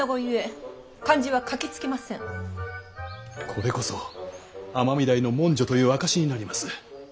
これこそ尼御台の文書という証しになります。